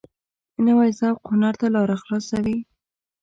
نوی ذوق هنر ته لاره خلاصوي